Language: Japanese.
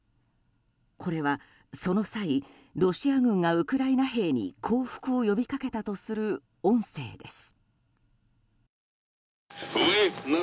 これは、その際ロシア軍がウクライナ兵に降伏を呼びかけたとする音声です。